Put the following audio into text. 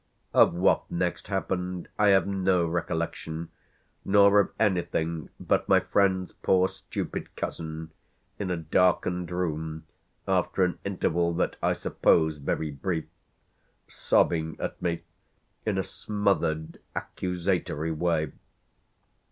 Of what next happened I have no recollection, nor of anything but my friend's poor stupid cousin, in a darkened room, after an interval that I suppose very brief, sobbing at me in a smothered accusatory way.